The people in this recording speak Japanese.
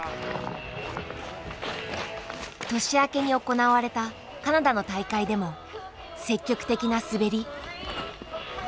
年明けに行われたカナダの大会でも積極的な滑り。